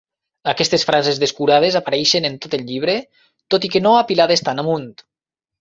Aquestes frases descurades apareixen en tot el llibre, tot i que no apilades tan amunt.